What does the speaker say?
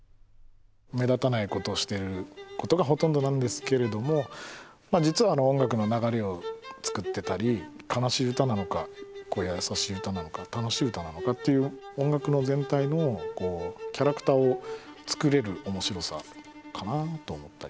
目立たないことをしていることがほとんどなんですけれどもまあ実は音楽の流れを作ってたり悲しい歌なのかやさしい歌なのか楽しい歌なのかっていう音楽の全体のキャラクターを作れる面白さかなぁと思ったりはしてます。